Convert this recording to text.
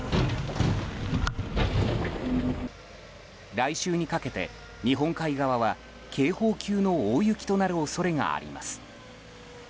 来週にかけて、日本海側は警報級の大雪となる恐れがあります。